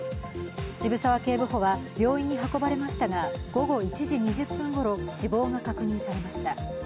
渋沢警部補は病院に運ばれましたが、午後１時２０分ごろ、死亡が確認されました。